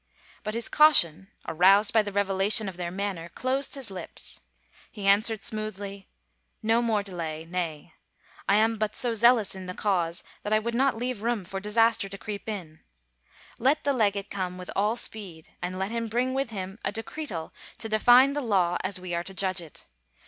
But his caution, aroused by the revelation of their manner, closed his lips. He answered smoothly, " No more delay — nay. I am but so zealous in the cause that I would not leave room for 151 THE FAVOR OF KINGS disaster to creep in. Let the legate come with all speed and let him bring with him a decretal to define the law as we are to judge it.